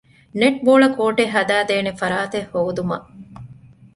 ނެޓްބޯޅަކޯޓެއް ހަދައިދޭނެ ފަރާތެއް ހޯދުމަށް